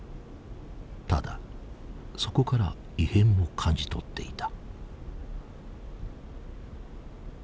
ただそこから異変も感じ取っていた。